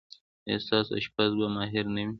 ایا ستاسو اشپز به ماهر نه وي؟